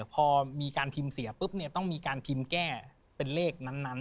พอมีการพิมพ์เสียปุ๊บเนี่ยต้องมีการพิมพ์แก้เป็นเลขนั้น